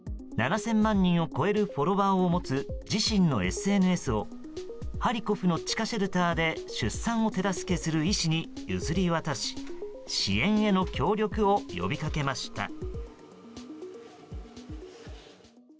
７０００万人を超えるフォロワーを持つ自身のＳＮＳをハリコフの地下シェルターで出産を手助けする医師に譲り渡し支援への協力を呼びかけました。